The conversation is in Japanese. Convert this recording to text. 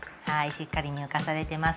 しっかり乳化されてます。